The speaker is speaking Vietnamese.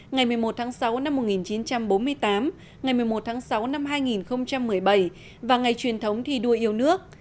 ngày một mươi một tháng sáu năm một nghìn chín trăm bốn mươi tám ngày một mươi một tháng sáu năm hai nghìn một mươi bảy và ngày truyền thống thi đua yêu nước